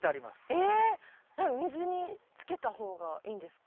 水につけた方がいいんですか？